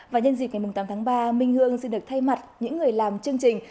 và nhân dịp ngày tám tháng ba minh hương xin được thay mặt những người làm chương trình